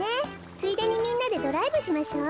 ついでにみんなでドライブしましょう。